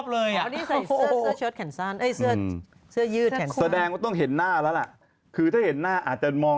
เข้าใจแต่บอกว่าเขาต้องบอก